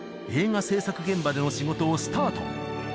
映画制作現場での仕事をスタート